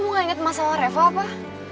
kau kamu gak inget masalah reva apa